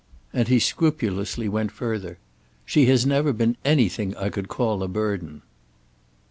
And he scrupulously went further. "She has never been anything I could call a burden."